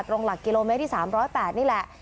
หลักกิโลเมตรที่๓๐๘นี่แหละ